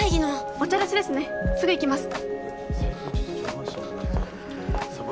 お茶出しですねすぐ行きます。